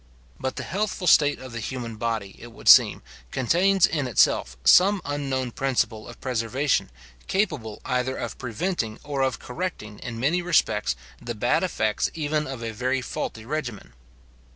But the healthful state of the human body, it would seem, contains in itself some unknown principle of preservation, capable either of preventing or of correcting, in many respects, the bad effects even of a very faulty regimen.